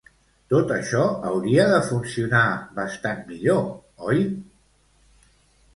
Tot això hauria de funcionar bastant millor, oi?